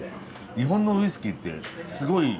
日本のウイスキーってすごい。